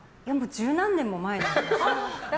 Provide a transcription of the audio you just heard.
十何年も前の話ですね。